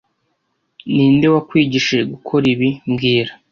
Ninde wakwigishije gukora ibi mbwira